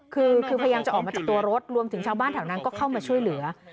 คือพยายามจะออกมาจากตัวรถรวมถึงชาวบ้านแถวนั้นก็เข้ามาช่วยเหลือ